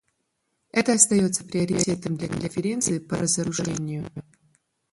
Это остается приоритетом для Конференции по разоружению.